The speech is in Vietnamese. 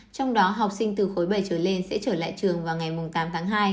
trong đó học sinh từ khối bảy trở lên sẽ trở lại trường vào ngày tám tháng hai